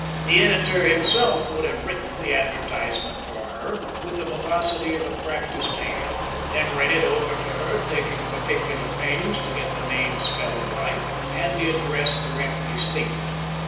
The editor himself would have written the advertisement for her with the velocity of a practiced hand, then read it over to her, taking particular pains to get the name spelled right, and the address correctly stated.